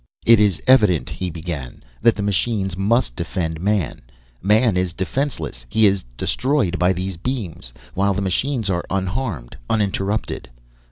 "It is evident," he began, "that the machines must defend man. Man is defenseless, he is destroyed by these beams, while the machines are unharmed, uninterrupted.